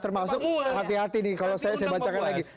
termasuk hati hati nih kalau saya saya bacakan lagi